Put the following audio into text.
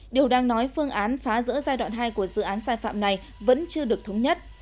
điều đang nói phương án phá rỡ giai đoạn hai của dự án sai phạm này vẫn chưa được thống nhất